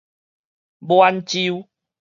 滿州